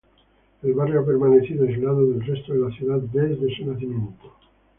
El barrio ha permanecido aislado del resto de la ciudad desde su nacimiento.